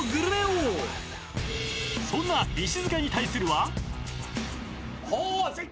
［そんな石塚に対するは］